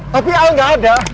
tapi al gak ada